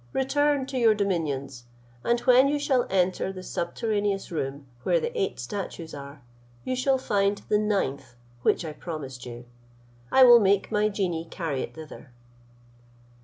Return to your dominions, and when you shall enter the subterraneous room, where the eight statues are, you shall find the ninth which I promised you. I will make my genii carry it thither."